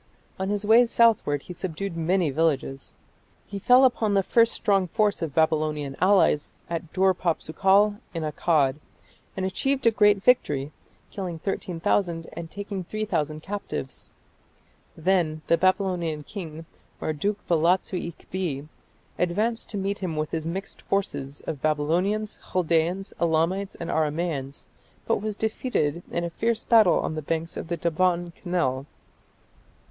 On his way southward he subdued many villages. He fell upon the first strong force of Babylonian allies at Dur papsukal in Akkad, and achieved a great victory, killing 13,000 and taking 3000 captives. Then the Babylonian king, Marduk balatsu ikbi, advanced to meet him with his mixed force of Babylonians, Chaldaeans, Elamites, and Aramaeans, but was defeated in a fierce battle on the banks of the Daban canal.